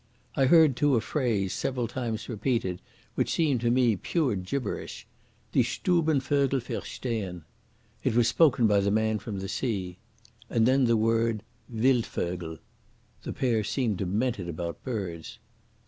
I heard too a phrase several times repeated, which seemed to me to be pure gibberish—Die Stubenvögel verstehn. It was spoken by the man from the sea. And then the word Wildvögel. The pair seemed demented about birds.